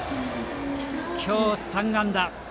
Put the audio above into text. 今日３安打。